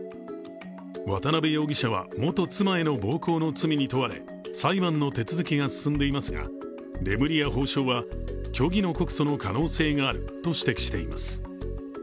渡辺容疑者は元妻への暴行の罪に問われ裁判の手続きが進んでいますがレムリヤ法相は虚偽の告訴の可能性があると指摘しています。